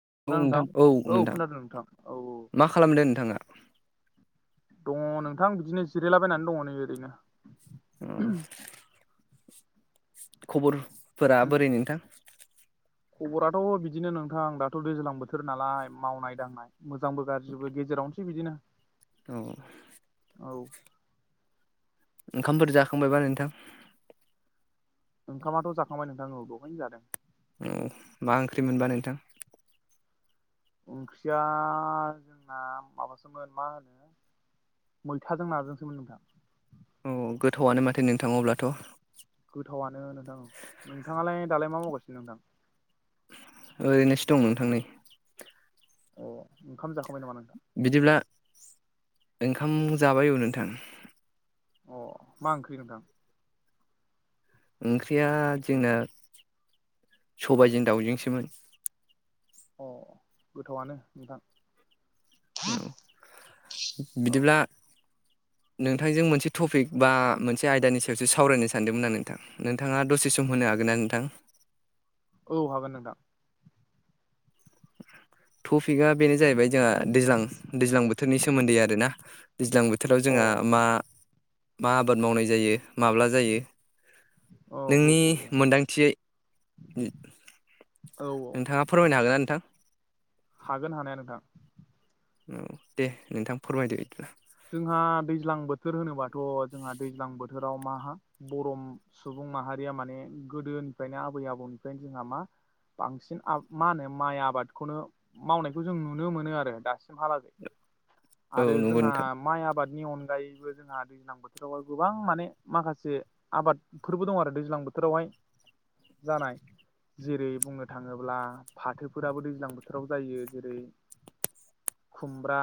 [unintelligible] नोंथां औ खोनादों नोंथां औ औ मा खालामदों नोंथाङा दङ नोंथां बिदिनो जिरायलाबायनानै दङ नै ओरैनो खबरफोरा ओरैनो बोरै नोंथां? खबराथ' बिदिनो नोंथां दाथ' दैज्लां बोथोर नालाय मावनाय दांनाय मोजांबो गाज्रिबो गेजेरावनोसै बिदिनो औ औ ओंखामफोर जाखांबायबा नोंथां? ओंखामाथ' जाखांबाय नोंथां औ दहायनो जादों। उम मा ओंख्रि मोनबा नोंथां? ओंख्रिया जोंना माबासोमोन मा होनो मैथाजों नाजोंसोमोन नोंथां अह गोथावआनो माथो नोंथां अब्लाथ' गोथावनो नोंथां उह नोंथाङालाय दालाय मा मावगासिनो नोंथां? ओरैनोसो दं नोंथां नै अह ओंखाम [unintelligible] बिदिब्ला ओंखाम जाबाय औ नोंथां उह मा ओंख्रि नोंथां ओंख्रिया जोंना सबायजों दाउजोंसोमोन अह गोथावआनो नोंथां औ औ बिदिब्ला नोंथांजों मोनसे टपिक बा मोनसे आयदानि सायावसो सावरायनो सानदोंमोन आं नोंथां नोंथाङा दसे सम [unintelligible] होनो हागोनना नोंथां औ हागोन नोंथां टपिकआ बेनो जाहैबाय जोंहा दैज्लां दैज्लां बोथोरनि सोमोन्दै आरोना दैज्लां बोथोराव जोंहा अ मा मा आबाद मावनाय जायो माब्ला जायो औ औ नोंनि मोनदांथियै औ औ नोंथाङा फोरमायनो हागोन ना नोंथां हागोन हानाया नोंथां। उम दे नोंथां फोरमायदो बिदिब्ला जोंहा दैज्लां बोथोर होनोबाथ' जोंहा दैज्लां बोथोराव [unintelligible] सुबुं माहारिया माने गोदोनिफ्रायनो आबै आबौनिफ्रायनो जोंहा मा बांसिन मा होनो माइ आबादखौनो मावनायखौ जों नुनो मोनो आरो दासिमहालागै औ आरो नंगौ जोंहा नोंथां। माइ आबादनि अनगायैबो जोंहा दैज्लां बोथोरावहाय गोबां माने माखासे आबादफोरबो दं आरो। दैज्लां बोथोरावहाय जानाय जेरै बुंनो थाङोब्ला फाथोफोराबो दैज्लां बोथोराव जायो जेरै खुमब्रा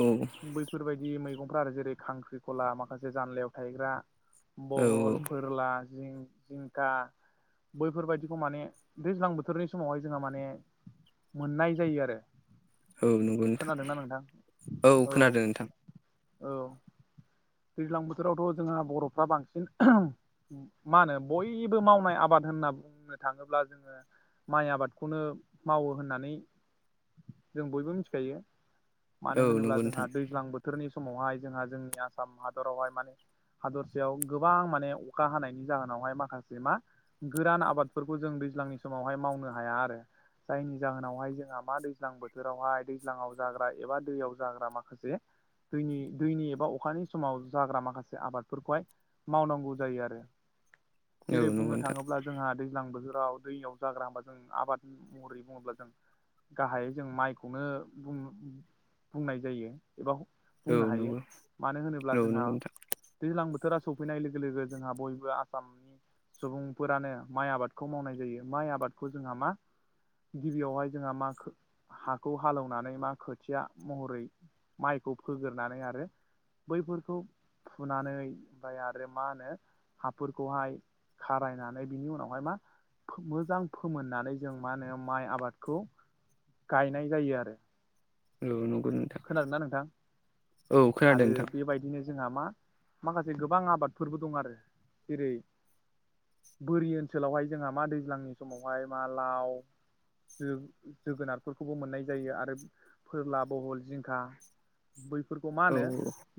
औ बैफोरबायदि मैगंफ्रा आरो जेरै खांख्रिखला माखासे जानलायाव थायग्रा औ बहल फोरला जिं जिंखा बैफोरबायदिखौ माने दैज्लां बोथोरनि समावहाय जोंहा माने मोननाय जायो आरो औ नंगौ नोंथां औ खोनादों नोंथां औ दैज्लां बोथोरावथ' जोंहा बर'फ्रा बांसिन मा होनो बयबो मावनाय आबाद होनना बुंनो थाङोब्ला जोङो माइ आबादखौनो मावो होननानै जों बयबो मिथिखायो। औ मानो होनोब्ला नंगौ जोंहा नोंथां दैज्लां बोथोरनि समावहाय जोंहा जोंनि आसाम हादरावहाय माने हादरसायाव गोबां माने अखा हानायनि जाहोनावहाय माखासे मा गोरान आबादफोरखौ जों दैज्लांनि समावहाय मावनो हाया आरो। जायनि जाहोनावहाय जोंहा मा दैज्लां बोथोरावहाय दैज्लांआव जाग्रा एबा दैयाव जाग्रा माखासे दैनि दैनि एबा अखानि समाव जाग्रा माखासे आबादफोरखौहाय मावनांगौ जायो आरो औ जेरै नंगौ बुंनो नोंथां थाङोब्ला जोंहा दैज्लां बोथोर- -आव दैयाव जाग्रा होनोमबा जों आबाद महरै बुङोब्ला जों गाहाय जों माइखौनो बुङो बुंनाय जायो एबा औ बुंनो हायो नंगौ मानो होनोब्ला औ जोंहा नंगौ नोंथां दैज्लां बो- -थोरा सफैनाय लोगो लोगो जोंहा बयबो आसामनि सुबुंफोरानो माइ आबादखौ मावनाय जायो माइ आबादखौ जोंहा मा गिबियावहाय जोंहा मा हाखौ हालौवनानै मा खोथिया महरै माइखौ फोगोरनानै आरो बैफोरखौ फुनानै ओमफ्राय आरो मा होनो हाफोरखौहाय खारायनानै बिनि उनावहाय मा मोजां फोमोननानै जों मा होनो माइ आबादखौ गायनाय जायो आरो औ न- खोनादों ना नोंथां खोनादों आरो नोंथां बेबायदिनो जोंहा मा माखासे गोबां आबादफोरबो दं आरो जेरै बोरि ओनसोलावहाय जोंहा मा दैज्लांनि समावहाय मा लाव जो जोगोनारफोरखौबो मोननाय जायो आरो फोरला बहल जिंखा बैफोरखौ मा औ होनो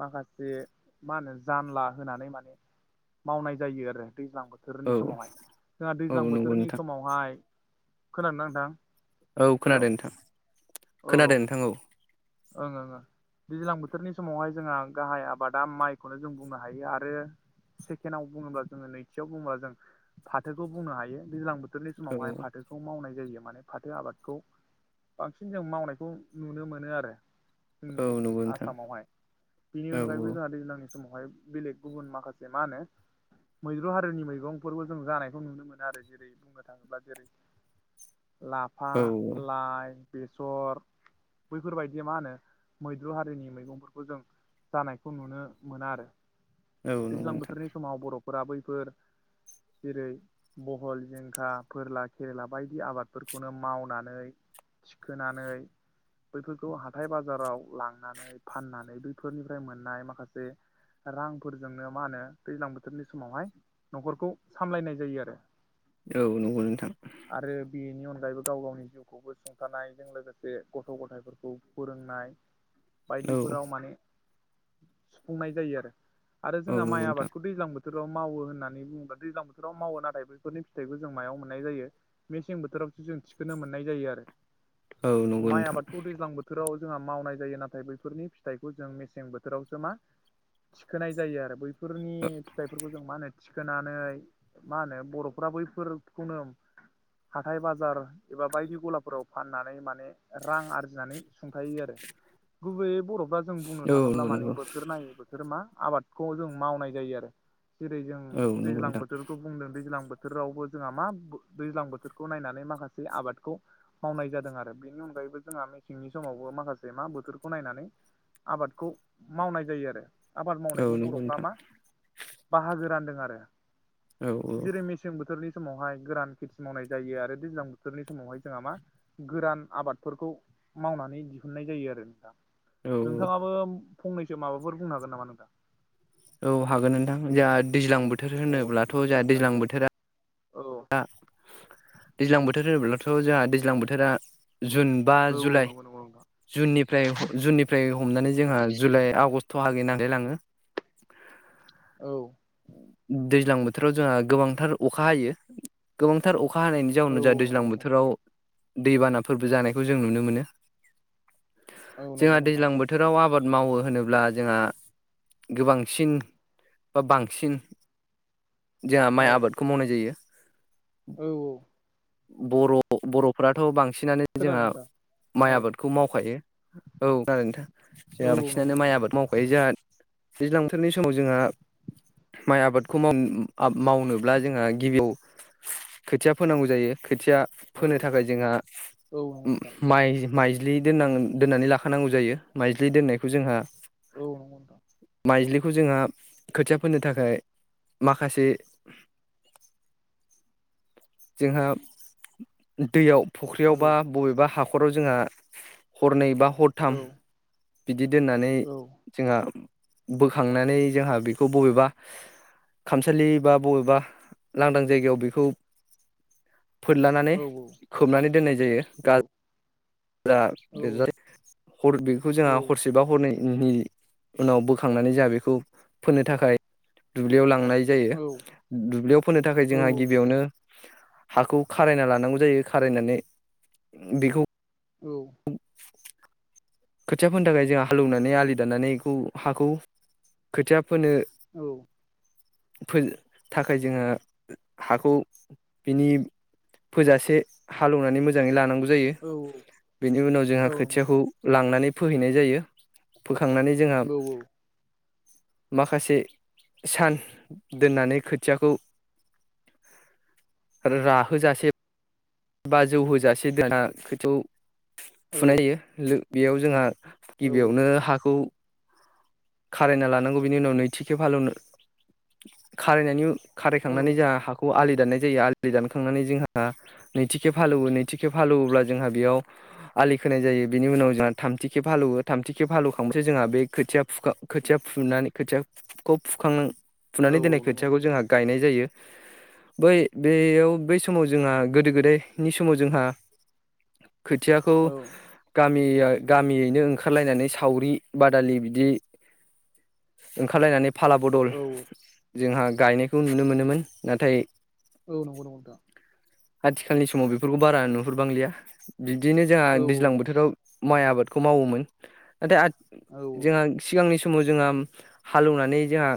माखासे मा होनो जानला होनानै माने मावनाय जायो आरो दैज्लां औ बोथोरनि समावहाय जोंहा औ दैज्लां नंगौ बोथोरनि नोंथां समावहाय खोनादोंना नोंथां औ हेल' खोनादों नोंथां खोनादों नोंथां औ ओं ओं ओं दैज्लां बोथोरनि समावहाय जोंहा गाहाय आबादा माइखौनो जों बुंनो हायो आरो सेकेण्डआव बुङोब्ला जोङो नैथियाव बुङोब्ला जों फाथोखौ बुंनो हायो दैज्लां बोथोर -थोरनि औ समावहाय फाथोखौ मावनाय जायो माने फाथो आबादखौ बांसिन जों मावनायखौ नुनो मोनो आरो औ जोंनि नंगौ नोंथां आसामावहाय बिनि औ अनगायैबो जोंहा दैज्लांनि समावहाय बेलेग गुबुन माखासे मा होनो मैद्रु हारिनि मैगंफोरबो जों जानायखौ नुनो मोनो आरो जेरै बुंनो थाङोब्ला जेरै लाफा औ औ लाइ बेसर बैफोरबायदि बिदि मा होनो मैद्रु हारिनि मैगंफोरखौ जों जानायखौ नुनो मोना आरो औ नंगौ दैज्लां नोंथां बोथोरनि समाव बरफोरा बैफोर जेरै बहल जिंखा फोरला खेरेला बायदि आबादफोरखौनो मावनानै थिखोनानै बैफोर -खौ हाथाय बाजाराव लांनानै फाननानै बैफोरनिफ्राय मोननाय माखासे रांफोरजोंनो मा होनो दैज्लां बोथोरनि समावहाय नखरखौ सामलायनाय जायो आरो औ नंगौ नोंथां -गायैबो गाव गावनि जिउखौबो सुंथानायजों लोगोसे गथ गथायफोरखौ फोरोंनाय औ बायदिफोराव माने सुफुंनाय जायो आरो आरो औ जोंहा नंगौ माइ नोंथां आबादखौ दैज्लां बो- -थोराव मावो होननानै बुङोबा दैज्लां बोथोराव मावो नाथाय बेफोरनि फिथाइखौ जों मायाव मोननाय जायो मेसें बोथोराव जों थिखोनो मोननाय जायो आरो औ नंगौ नोंथां -आव जोंहा मावनाय जायो नाथाय बैफोरनि फिथाइखौ जों मेसें बोथोरावसो मा थिखोनाय जायो आरो बैफोरनि फिथाइफोरखौ जों मा होनो थिखोनानै मा होनो बरफ्रा बैफोर खौनो हाथाय बाजार एबा बायदि गलाफोराव फाननानै माने रां आरजि -नानै सुंथायो आरो गुबैयै बरफ्रा जों बुंनो औ थाङोब्ला नंगौ माने नंगौ बोथोर नायै बोथोर मा आबादखौ जों मावनाय जायो आरो जेरै जों औ नंगौ दैज्लां नोंथां बोथोरखौ बुंदों दैज्लां बो- -थोरावबो जोंहा मा दैज्लां बोथोरखौ नायनानै माखासे आबादखौ मावनाय जादों आरो बेनि अनगायै बो जोंहा मेसेंनि समावबो माखासे मा बोथोरखौ नायनानै आबादखौ मावनाय जायो आरो आबाद औ मावनायखौ नंगौ बर'फ्रा नोंथां मा बाहागो रानदों आरो औ जेरै मेसें बोथोरनि समावहाय गोरान खेथि मावनाय जायो आरो दैज्लां बोथोरनि समावहाय जोंहा मा गोरान आबादफोरखौ मावनानै दिहुननाय जायो आरो नोंथा औ नोंथाङाबो फंनैसो माबाफोर बुं हागोन नामा नोंथां औ हागोन नोंथां जोंहा दैज्लां बोथोर अ होनोब्लाथ' बिदिबा जोंहा बुंलाय नोंथां दैज्लां बोथोरा औ दा दैज्लां बोथोर होनोब्लाथ' जोंहा दैज्लां बोथोरा जुन बा औ जुलाइ नंगौ नंगौ नोंथां जुननिफ्राय जुननिफ्राय हमनानै जोंहा जुलाइ आगष्ट लागै नाङैलाङो। औ दैज्लां बोथोराव जोंहा गोबांथार अखा हायो गोबांथार अ अखा हानायनि औ जाउनाव औ ज नंगौ दैज्लां नोंथां बोथोराव दैबानाफोरबो जानायखौ जों नुनो मोनो। औ जोंहा नंगौ नोंथां दैज्लां बोथोराव आबाद मावो होनोब्ला जोंहा गोबांसिन बा बांसिन जोंहा माइ औ आबादखौ मावनाय जायो। औ औ बर' बर'फोराथ' बांसिनानो जोंहा खोनादों नोंथां माइ औ आबादखौ मावखायो औारैथ औ जों नंगौ बांसिनानो माइ नोंथां आबाद मावखायो जोंहा दैज्लां बोथोरनि समाव जोंहा माइ आबादखौ माव मावनोब्ला जोंहा गिबियाव खोथिया फोनांगौ जायो। खोथिया औ फोनो थाखाय जोंहा औ नंगौ नोंथां माइ माइ ज्लि दोन दोन्नानै लाखानांगौ जायो माइज्लि दोन्नायखौ जोंहा औ नंगौ नोंथां माइजलि खौ जोंहा खोथिया फोनो थाखाय माखासे जोंहा दैयाव फुख्रियाव औ बा बबेबा हा खराव जोंहा हरनै बा हरथाम औ बिदि दोननानै औ जोंहा बोखांनानै जोंहा बेखौ बबेबा खामसालि बा बबेबा लांदां जायगायाव बेखौ फोरलानानै औ नंगौ नोंथां खोबनानै दोननाय जायो औ गा जा औ बेखौ जोंहा हरसे बा हर नि उनाव बोखांनानै ज बेखौ फोननो थाखाय दुब्लियाव लां नाय औ जायो दुब्लियाव फोनो थाखाय औ जोंहा नंगौ गिबियावनो नोंथां हाखौ खारायना लानांगौ जायो खारायनानै बेखौ [inaudible] खोथिया फोनो थाखाय जों हालौवनानै आलि दानानैखौ हाखौ खोथिया फोनो औ फो थाखाय जोंङो हाखौ बिनि फोजासे हालेवनानै मोजाङै लानांगौ। जायो औ औ बेनि उनाव जोंहा नंगौ नंगौ खोथियाखौ नोंथां लांनानै फोहैनाय जायो। फोखांनानै जोंहा माखासे सान दोननानै खोथियाखौ राहोजासे बाजौ होजासे दाना खोथियाव फुनाय औ होयो बेयाव जोंहा औ गिबियावनो हाखौ खारायना लानांगौ बिनि उनाव नैथिखे फालवनो खारायनायनि खारायखांनानै औ जोंहा हाखौ आलि दानाय जायो आलि दानखांनानै जोंहा नैथि खेब हालौवो नैथिखेब गालौवोब्ला जोंहा बेयाव आलि खोनाय जायो बिनि उनाव जोंहा थामथि खेब हालौवो थामथि खेब हालौवखांबाथाय जोंहा बे खोथिया खोथिया फुनानै खोथियाखौ फुखां फुनानै दोननाय नंगौ खोथियाखौ नंगौ जोंहा नोंथां गायनाय जायो। बै बेयाव बै समाव जोंहा गोदो गोदायनि समाव जोंहा [inaudible] खोथियाखौ औ गामि गामियैनो ओंखारलायनानै सावरि बादालि बिदि ओंखारलायनानै फाला बदल जोंहा गायनायखौ नुनो मोनोमोन नाथाय औ नंगौ नंगौ नोंथां आथिखालनि समाव बेफोरखौ बारा नुहुरबांलिया बिदिनो जोंहा औ दैज्लां बोथोराव माइ आबादखौ मावोमोन नाथाय आथ औ जोंहा सिगांनि समाव जोंहा हालौवनानै जोंहा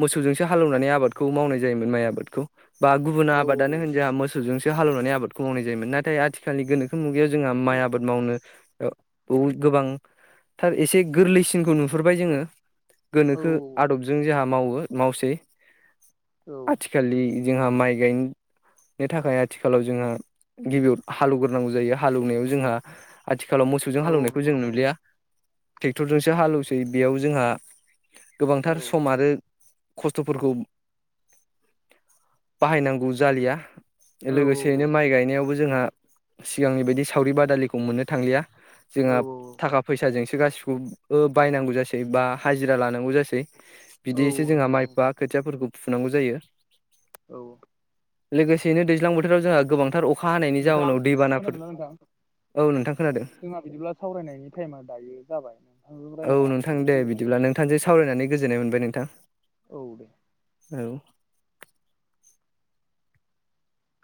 मोसौजोंसो हालौवनानै आबादखौ मावनाय जायोमोन माइ आबादखौ। बा गुबुन औ आबादानो होन जोंहा मोसौजोंसो हालौवनानै आबादखौ मावनाय जायोमोन नाथाय आथिखालनि गोनोखो मुगायाव जोंहा औ माइ आबाद मावनो ओ उ गोबां थार एसे गोरलैसिनखौ नु नुहुरबाय जोङो गोनोखो औ आदबजों जोंहा मावो मावसै औ आथिखालनि जोंहा माइ गायनो नि थाखाय आथिखालाव जोंहा गिबियाव हालौवग्रोनांगौ जायो हालौवनायाव जोंहा आथिखालाव औ मोसौजों औ हालेवनायखौ नंगौ जों नंगौ नुलिया नोंथां टेक्टरजोंसो हालेवसै बेयाव जोंहा औ गोबांथार सम आरो खस्थ'फोरखौ बाहायनांगौ जालिया औ लोगोसेयैनो माइ गायनायावबो जोंहा सिगांनि बादि सावरि बादालिखौ मोननो थांलिया औ जोंहा थाखा फैसाजोंसो गासिखौबो बायनांगौ जासै बा हाजिरा लानांगौ जासै औ बिदिसो जोंहा नंगौ नंगौ माइबा नोंथां खोथियाफोरखौ फुनांगौ जायो औ लोगोसेयैनो दैज्लां बोथोराव जोंहा गोबांथार अखा हानायनि नोंथां जाउनाव दैबानाफोर खोनादोंना नोंथां औ नोंथां खोनादों जोंहा बिदिब्ला सावरायनायनि टाइमा दायो जाबाय ओं औ नोंथां दे बिदिब्ला नोंथांजों सावरायनानै गोजोननाय मोनबाय नोंथां औ दे औ